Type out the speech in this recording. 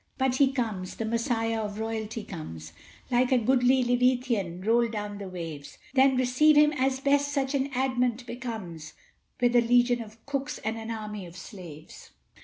But he comes! the Messiah of royalty comes! Like a goodly leviathan rolled from the waves! Then receive him as best such an advent becomes, With a legion of cooks, and an army of slaves!